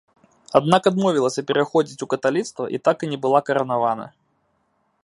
Аднак адмовілася пераходзіць у каталіцтва і так і не была каранавана.